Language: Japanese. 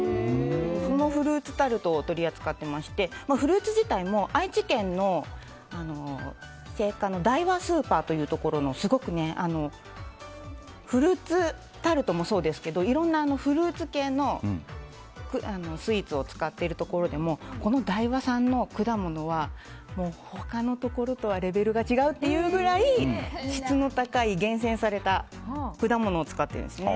そのフルーツタルトを取り扱っていましてフルーツ自体も愛知県の青果のダイワスーパーというところのフルーツタルトもそうですけどいろんなフルーツ系のスイーツを使っているところでもこのダイワさんの果物は他のところとはレベルが違うというぐらい質の高い厳選された果物を使ってるんですね。